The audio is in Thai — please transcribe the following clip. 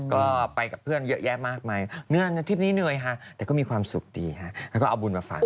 ก็ไปกับเพื่อนเยอะแยะมากมายเหนื่อยทริปนี้เหนื่อยฮะแต่ก็มีความสุขดีฮะแล้วก็เอาบุญมาฝาก